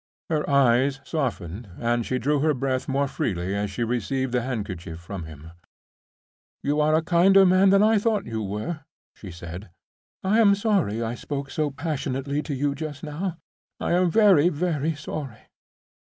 Her eyes softened, and she drew her breath more freely as she received the handkerchief from him. "You are a kinder man than I thought you were," she said; "I am sorry I spoke so passionately to you just now—I am very, very sorry."